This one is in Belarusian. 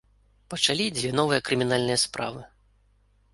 Пачалі дзве новыя крымінальныя справы.